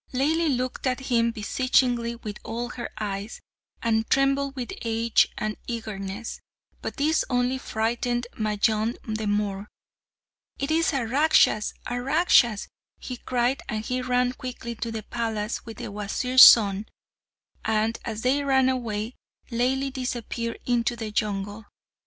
Laili looked at him beseechingly with all her eyes, and trembled with age and eagerness; but this only frightened Majnun the more. "It is a Rakshas, a Rakshas!" he cried, and he ran quickly to the palace with the Wazir's son; and as they ran away, Laili disappeared into the jungle.